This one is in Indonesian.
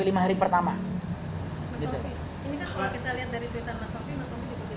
ini kan kalau kita lihat dari twitter mas sofi mas sofi juga bilang